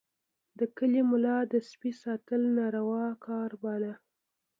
د کلي ملا د سپي ساتل ناروا کار باله.